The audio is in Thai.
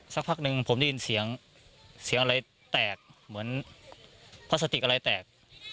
สักพักหนึ่งผมได้ยินเสียงเสียงอะไรแตกเหมือนพลาสติกอะไรแตก